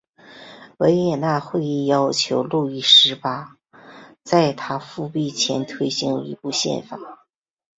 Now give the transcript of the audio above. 维也纳会议要求路易十八在他复辟前推行一部宪法。